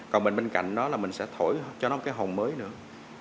còn mình bên cạnh đó là mình sẽ thổi cho nó một cái hồng mới nữa